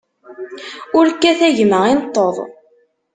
Ur kkat a gma ineṭṭeḍ!